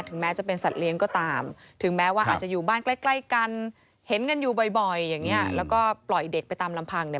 ถึงแม้จะเป็นสัตว์เลี้ยงก็ตาม